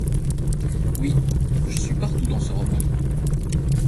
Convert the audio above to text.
Oui, je suis partout dans ce roman.